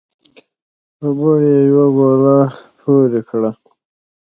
په بوړ يې يوه ګوله پورې کړه